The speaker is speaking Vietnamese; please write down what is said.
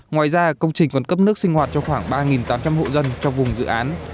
ngoài ra công trình còn cấp nước sinh hoạt cho khoảng ba tám trăm linh hộ dân trong vùng dự án